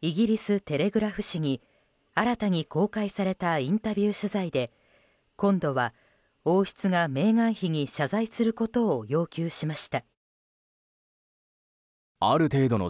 イギリス、テレグラフ紙に新たに公開されたインタビュー取材で今度は、王室がメーガン妃に謝罪することを要求しました。